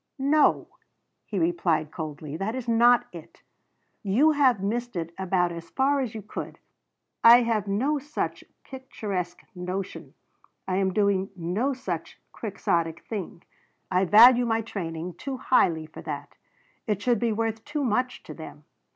"No," he replied coldly, "that is not it. You have missed it about as far as you could. I have no such picturesque notion. I am doing no such quixotic thing. I value my training too highly for that. It should be worth too much to them.